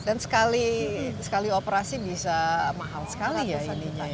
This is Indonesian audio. dan sekali operasi bisa mahal sekali ya ininya ya